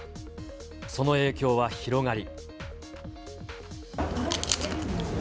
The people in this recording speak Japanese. その影響は広がり。